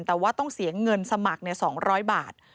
แต่ว่าต้องเสียเงินสมัคร๒๐๐บาท